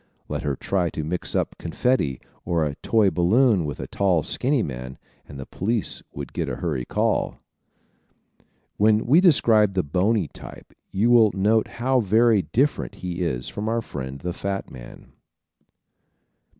Let her try to mix up confetti or a toy balloon with a tall skinny man and the police would get a hurry call! When we describe the bony type you will note how very different he is from our friend the fat man.